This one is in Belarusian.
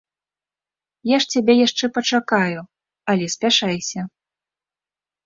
Я ж цябе яшчэ пачакаю, але спяшайся.